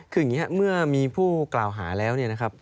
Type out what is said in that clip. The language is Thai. คืออย่างนี้ครับเมื่อมีผู้กล่าวหาแล้ว